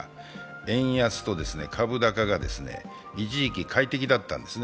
円安と株高が一時期快適だったんですね。